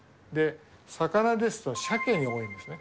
魚ですと、シャケに多いんですね。